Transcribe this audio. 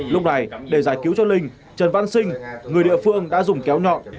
lúc này để giải cứu cho linh trần văn sinh người địa phương đã dùng kéo nhọn